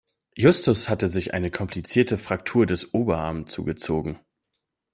Justus hatte sich eine komplizierte Fraktur des Oberarm zugezogen.